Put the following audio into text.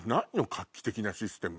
画期的なシステム。